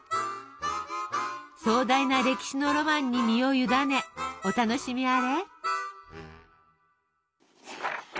壮大な歴史のロマンに身を委ねお楽しみあれ。